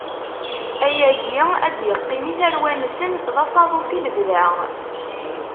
Ayagi ad d-iqqim i tarwa-nsen d asaḍuf, i lebda.